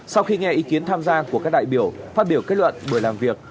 sau khi nghe ý kiến tham gia của các đại biểu phát biểu kết luận buổi làm việc